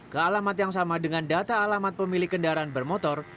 ke alamat yang sama dengan data alamat pemilik kendaraan bermotor